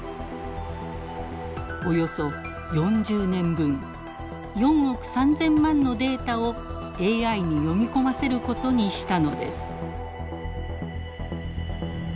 およそ４０年分４億３，０００万のデータをＡＩに読み込ませることにしたのです。